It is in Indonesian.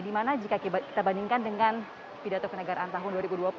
dimana jika kita bandingkan dengan pidato kenegaraan tahun dua ribu dua puluh